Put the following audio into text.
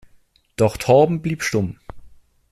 Doch Torben blieb stumm.